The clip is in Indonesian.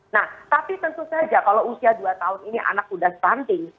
nah tapi tentu saja kalau usia dua tahun ini anak sudah stunting